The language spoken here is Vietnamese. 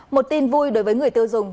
một tin vui đối với người tiêu dùng